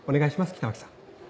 北脇さん。